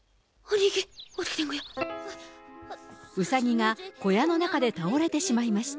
うさぎが小屋の中で倒れてしまいました。